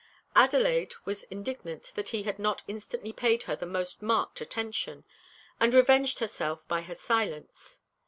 Adelaide was indignant that he had not instantly paid her the most marked attention, and revenged herself by her silence.